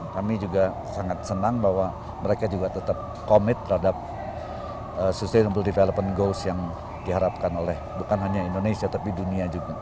kami juga sangat senang bahwa mereka juga tetap komit terhadap sustainable development goals yang diharapkan oleh bukan hanya indonesia tapi dunia juga